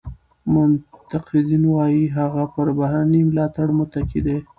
منتقدین وایي هغه پر بهرني ملاتړ متکي دی.